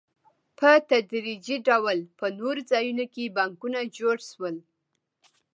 په تدریجي ډول په نورو ځایونو کې بانکونه جوړ شول